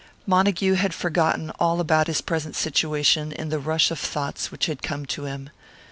Montague had forgotten all about his present situation in the rush of thoughts which had come to him.